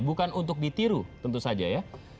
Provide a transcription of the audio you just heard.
bukan untuk ditiru tentu saja ya